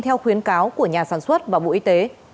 theo khuyến cáo của nhà sản xuất và bộ y tế